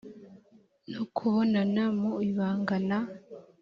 no kubonana mu ibanga na